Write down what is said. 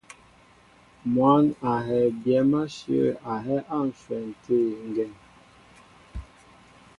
Mwǎn a hɛɛ byɛ̌m áshyə̂ a hɛ́ á ǹshwɛn tê ŋgeŋ.